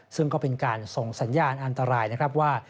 ซึ่งก็เป็นการส่งสัญญาณอันตรายนะครับว่า